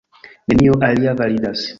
Nenio alia validas.